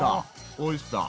オイスター。